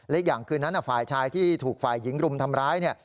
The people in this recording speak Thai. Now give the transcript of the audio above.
อีกอย่างคืนนั้นฝ่ายชายที่ถูกฝ่ายหญิงรุมทำร้ายเนี่ย